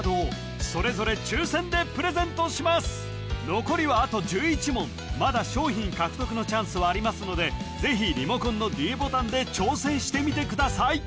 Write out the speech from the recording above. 残りはあと１１問まだ賞品獲得のチャンスはありますのでぜひリモコンのｄボタンで挑戦してみてください